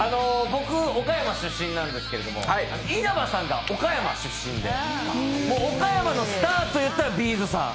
僕、岡山出身なんですけれども、稲葉さんが岡山出身で岡山のスターといったらＢ’ｚさん。